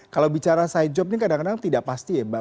kalau bicara side job ini kadang kadang tidak pasti ya mbak